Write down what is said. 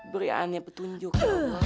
beri aneh petunjuk